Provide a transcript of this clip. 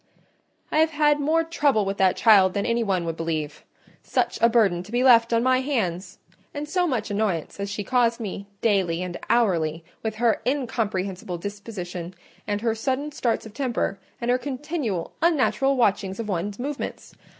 "I have had more trouble with that child than any one would believe. Such a burden to be left on my hands—and so much annoyance as she caused me, daily and hourly, with her incomprehensible disposition, and her sudden starts of temper, and her continual, unnatural watchings of one's movements!